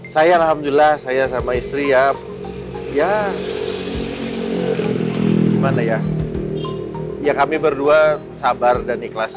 saya alhamdulillah saya sama istri ya ya gimana ya ya kami berdua sabar dan ikhlas